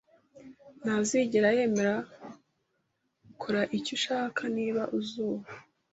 Ntazigera yemera kora icyo ushaka Niba izuba